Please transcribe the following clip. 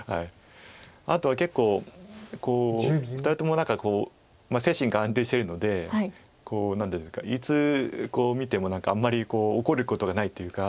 あとは結構２人とも何か精神が安定してるので何ていうかいつ見ても何かあんまり怒ることがないというか。